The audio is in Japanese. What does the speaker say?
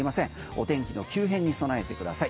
お天気の急変に備えてください。